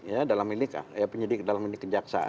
ya dalam milik penyidik dalam milik kejaksaan